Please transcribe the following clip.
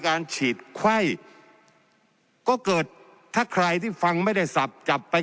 การฉีดไข้ก็เกิดถ้าใครที่ฟังไม่ได้สับจับไป